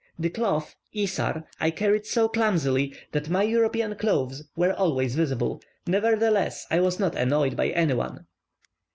The cloth (isar) I carried so clumsily that my European clothes were always visible; nevertheless I was not annoyed by any one.